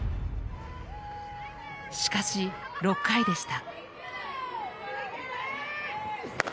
しかし、６回でした。